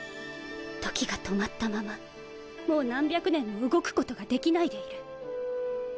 時が止まったままもう何百年も動くことが出来ないでいる。